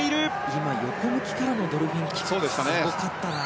今横向きからのドルフィンキックすごかったな。